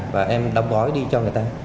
và em đóng gói đi cho người ta